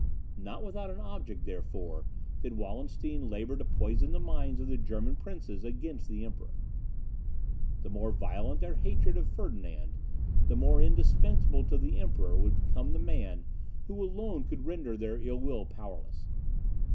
Not without an object, therefore, did Wallenstein labour to poison the minds of the German princes against the Emperor. The more violent their hatred of Ferdinand, the more indispensable to the Emperor would become the man who alone could render their ill will powerless.